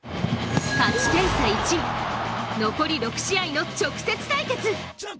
勝ち点差１、残り６試合の直接対決。